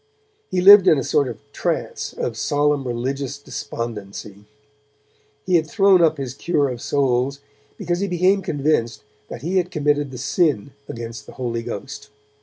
He lived in a sort of trance of solemn religious despondency. He had thrown up his cure of souls, because he became convinced that he had committed the Sin against the Holy Ghost.